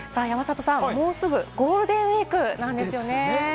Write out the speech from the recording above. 山里さん、もうすぐゴールデンウイークなんですよね。